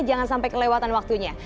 jangan sampai kelewatan waktunya